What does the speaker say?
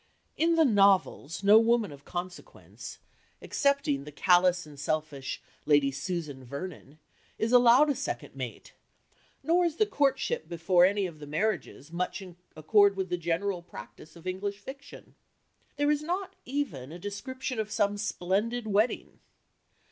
In the novels no woman of consequence excepting the callous and selfish Lady Susan Vernon is allowed a second mate, nor is the courtship before any of the marriages much in accord with the general practice of English fiction. There is not even a description of some splendid wedding.